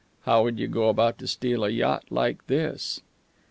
"How would you go about to steal a yacht like this?"